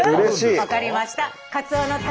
分かりました！